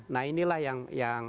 nah inilah yang